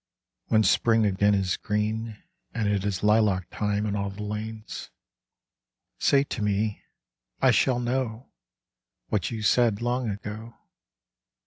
When Spring again is green, And it is lilac time in all the lanes, Say to me — I shall know — What you said long ago.